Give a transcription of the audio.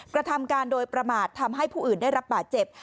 กระทำการโดยประมาททำให้ผู้อื่นได้รับบาดเจ็บ